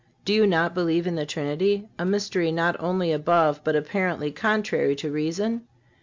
Do you not believe in the Trinity—a mystery not only above, but apparently contrary to, reason?